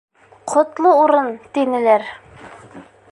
Ҡотло урын, тинеләр.